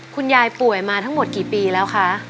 ป่วยมาทั้งหมดกี่ปีแล้วคะ